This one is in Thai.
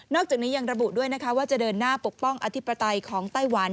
จากนี้ยังระบุด้วยนะคะว่าจะเดินหน้าปกป้องอธิปไตยของไต้หวัน